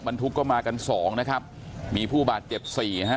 ทุกก็มากันสองนะครับมีผู้บาดเจ็บสี่ฮะ